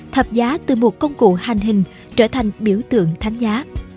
thập giá từ một công cụ hành hình trở thành biểu tượng thánh giá